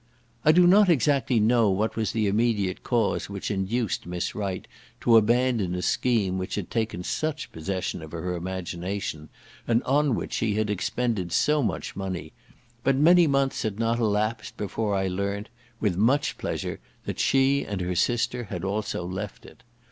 I do not exactly know what was the immediate cause which induced Miss Wright to abandon a scheme which had taken such possession of her imagination, and on which she had expended so much money; but many months had not elapsed before I learnt, with much pleasure, that she and her sister had also left it.